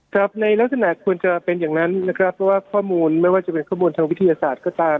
ครับในลักษณะควรจะเป็นอย่างนั้นนะครับเพราะว่าข้อมูลไม่ว่าจะเป็นข้อมูลทางวิทยาศาสตร์ก็ตาม